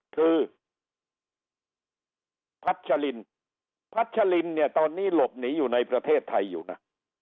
คือพัชลินพัชลินเนี่ยตอนนี้หลบหนีอยู่ในประเทศไทยอยู่นะ